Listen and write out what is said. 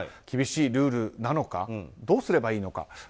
厳しいルールなのかどうすればいいのか。